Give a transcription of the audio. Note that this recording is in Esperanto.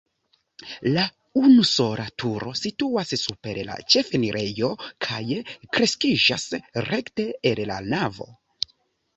La unusola turo situas super la ĉefenirejo kaj kreskiĝas rekte el la navo.